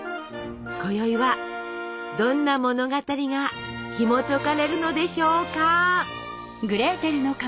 こよいはどんな物語がひもとかれるのでしょうか？